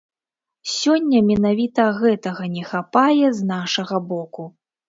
Сёння менавіта гэтага не хапае з нашага боку.